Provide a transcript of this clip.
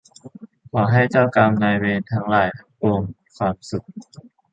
ขอให้เจ้ากรรมนายเวรทั้งหลายทั้งปวงมีความสุข